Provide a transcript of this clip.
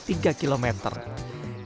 tidak ada yang berjalan jalan juga sih